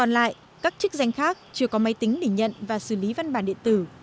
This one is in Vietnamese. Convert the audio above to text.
tại các chức danh khác chưa có máy tính để nhận và xử lý văn bản điện tử